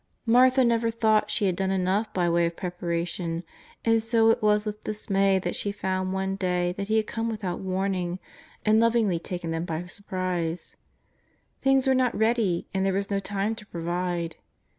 Martha never thought she had done enough by way of preparation, and so it was with dismay she found one day that Ho had come without warning and lovingly taken them by surprise. Things were not ready, and there was no time to provide.